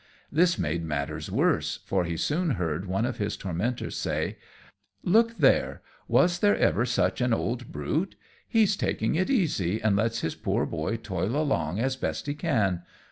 This made matters worse, for he soon heard one of his tormentors say, "Look there, was there ever such an old brute? He's taking it easy, and lets his poor boy toil along as best he can.